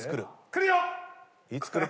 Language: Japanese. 来るよ！